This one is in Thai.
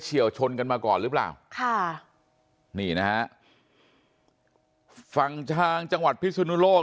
เชี่ยวชนกันมาก่อนหรือเปล่าค่ะนี่นะฮะฝั่งทางจังหวัดพิสุนุโลก